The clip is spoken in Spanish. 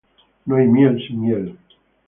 No hay miel sin hiel.